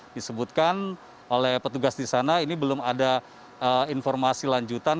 disebutkan oleh petugas di sana ini belum ada informasi lanjutan